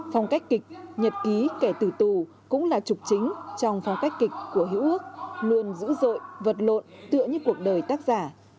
phong cách kịch nhật ký kẻ tử tù cũng là trục chính trong phong cách kịch của hữu ước luôn dữ dội vật lộn tựa như cuộc đời tác giả